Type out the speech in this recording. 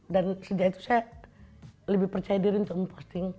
dan sejak itu saya lebih percaya diri untuk memposting